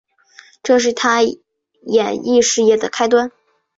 这是她演艺事业的开端。